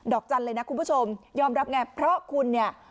อกจันทร์เลยนะคุณผู้ชมยอมรับไงเพราะคุณเนี่ย